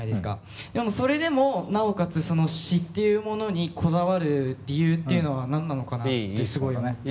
それでもなおかつその詞っていうものにこだわる理由っていうのは何なのかなってすごい思って。